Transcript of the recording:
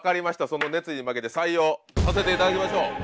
その熱意に負けて採用させて頂きましょう。